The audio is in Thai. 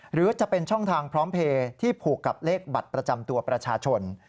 หรือจะเป็นช่องทางพร้อมเพลย์ที่ผูกกับเลขบัตรประจำตัวประชาชน